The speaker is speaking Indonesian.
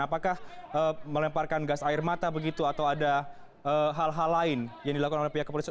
apakah melemparkan gas air mata begitu atau ada hal hal lain yang dilakukan oleh pihak kepolisian